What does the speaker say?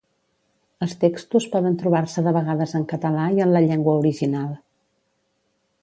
Els textos poden trobar-se de vegades en català i en la llengua original.